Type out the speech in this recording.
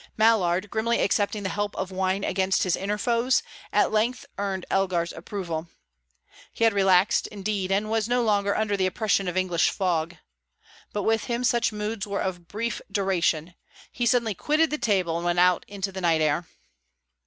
Mallard, grimly accepting the help of wine against his inner foes, at length earned Elgar's approval; he had relaxed indeed, and was no longer under the oppression of English fog. But with him such moods were of brief duration; he suddenly quitted the table, and went out into the night air.